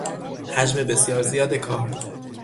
حجم بسیار زیاد کار